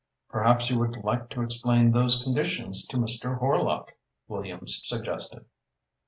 "Perhaps you would like to explain those conditions to Mr. Horlock," Williams suggested.